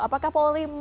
apakah polri melihat ada